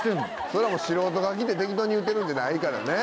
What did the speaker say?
それはもう素人が来て適当に言うてるんじゃないからね。